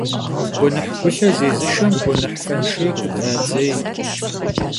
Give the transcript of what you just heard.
Guenıh gulhe zêzışşem guenıh fenşşêy xudradzêy.